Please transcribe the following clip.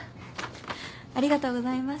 ありがとうございます。